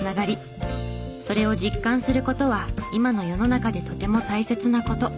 それを実感する事は今の世の中でとても大切な事。